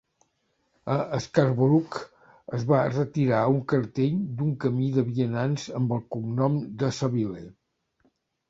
A Scarborough es va retirar un cartell d'un camí de vianants amb el cognom de Savile.